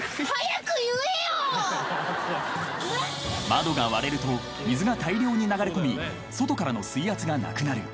［窓が割れると水が大量に流れ込み外からの水圧がなくなる］